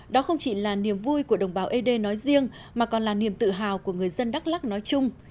đó không chỉ là niềm vui của đồng bào ed nói riêng mà còn là niềm tự hào của người dân đắk lắc nói chung